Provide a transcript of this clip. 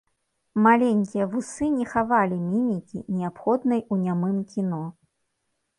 Маленькія вусы не хавалі мімікі, неабходнай ў нямым кіно.